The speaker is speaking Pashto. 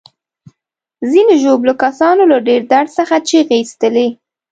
ځینو ژوبلو کسانو له ډیر درد څخه چیغې ایستلې.